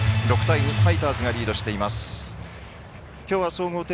ファイターズがリードしています。